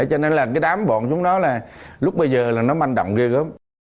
cho nên là cái đám bọn chúng nó là lúc bây giờ là nó manh động ghê gớm